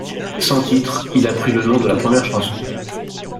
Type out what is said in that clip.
Sans titre, il a pris le nom de la première chanson.